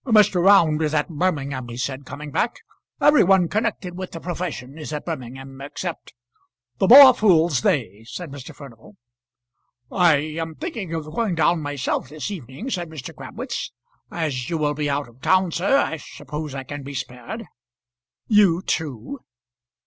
"Mr. Round is at Birmingham," he said, coming back. "Every one connected with the profession is at Birmingham, except " "The more fools they," said Mr. Furnival. "I am thinking of going down myself this evening," said Mr. Crabwitz. "As you will be out of town, sir, I suppose I can be spared?" "You too!"